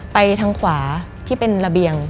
ไปทางขวาที่เป็นระเบียง